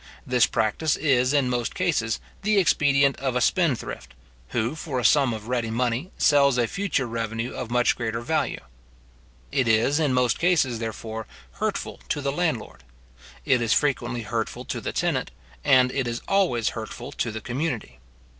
This practice is, in most cases, the expedient of a spendthrift, who, for a sum of ready money sells a future revenue of much greater value. It is, in most cases, therefore, hurtful to the landlord; it is frequently hurtful to the tenant; and it is always hurtful to the community.